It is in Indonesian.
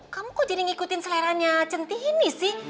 kamu kok jadi ngikutin seleranya centini sih